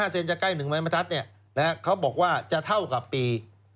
๒๕เซนท์จะใกล้๑มทัศน์เขาบอกว่าจะเท่ากับปี๕๔